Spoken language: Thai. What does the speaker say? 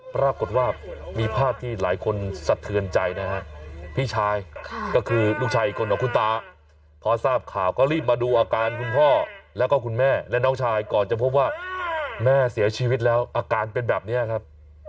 ปรากฏว่ามีภาพที่หลายคนสะเทือนใจนะฮะพี่ชายก็คือลูกชายอีกคนของคุณตาพอทราบข่าวก็รีบมาดูอาการคุณพ่อแล้วก็คุณแม่และน้องชายก่อนจะพบว่าแม่เสียชีวิตแล้วอาการเป็นแบบนี้ครับ